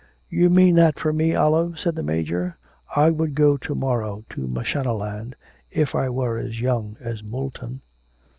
'You mean that for me, Olive,' said the Major. 'I would go to morrow to Mashonaland if I were as young as Moulton.'